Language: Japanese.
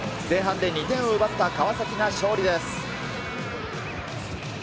前半で２点を奪った川崎が勝利です。